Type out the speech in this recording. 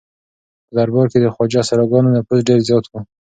په دربار کې د خواجه سراګانو نفوذ ډېر زیات و.